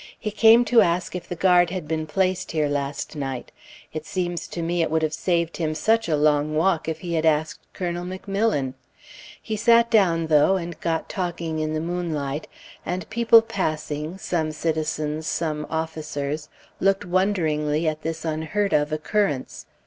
He came to ask if the guard had been placed here last night. It seems to me it would have saved him such a long walk if he had asked Colonel McMillan. He sat down, though, and got talking in the moonlight, and people passing, some citizens, some officers, looked wonderingly at this unheard of occurrence.